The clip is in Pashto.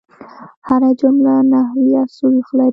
هره جمله نحوي اصول لري.